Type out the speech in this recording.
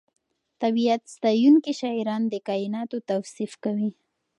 طبیعت ستایونکي شاعران د کائناتو توصیف کوي.